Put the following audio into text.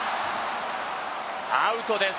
アウトです！